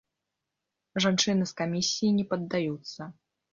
Жанчыны з камісіі не паддаюцца.